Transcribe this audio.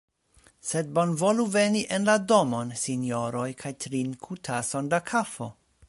Sed bonvolu veni en la domon, sinjoroj, kaj trinku tason da kafo!